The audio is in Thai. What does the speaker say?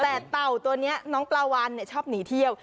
แต่เต่าตัวนี้น้องปลาวันชอบหนีเที่ยว